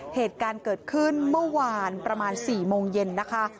เหตุการณ์เกิดขึ้นเมื่อวานประมาณ๔โมงเย็นนะคะ